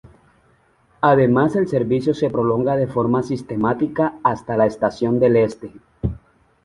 Además el servicio se prolonga de forma sistemática hasta la estación del Este.